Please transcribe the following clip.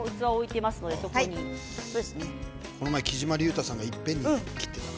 この間きじまりゅうたさんがいっぺんに切っていました。